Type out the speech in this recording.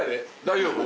大丈夫？